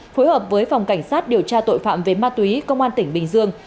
phối hợp với phòng cảnh sát điều tra tội phạm về ma túy công an tỉnh bình dương